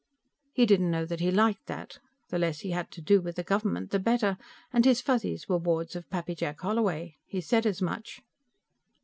He didn't know that he liked that. The less he had to do with the government the better, and his Fuzzies were wards of Pappy Jack Holloway. He said as much.